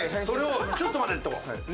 それをちょっと待てと。